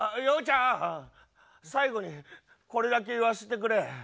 洋ちゃん最後にこれだけ言わしてくれ。